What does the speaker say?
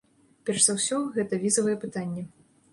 Перш за ўсё гэта візавае пытанне.